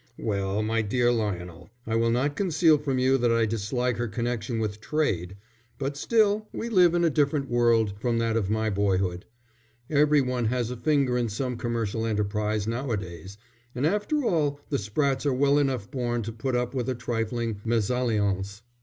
"Well, my dear Lionel, I will not conceal from you that I dislike her connection with trade, but still we live in a different world from that of my boyhood. Every one has a finger in some commercial enterprise now a days, and after all the Sprattes are well enough born to put up with a trifling mésalliance.